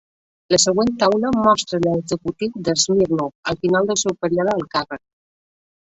La següent taula mostra l'executiu de Smirnov al final del seu període al càrrec.